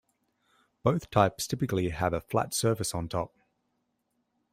Both types typically have a flat surface on top.